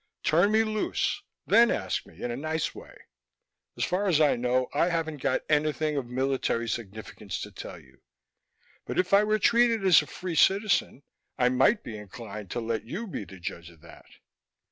"Turn me loose; then ask me in a nice way. As far as I know, I haven't got anything of military significance to tell you, but if I were treated as a free citizen I might be inclined to let you be the judge of that."